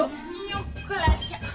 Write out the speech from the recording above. よっこらしょ。